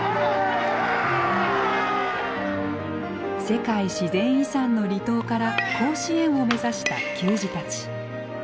世界自然遺産の離島から甲子園を目指した球児たち。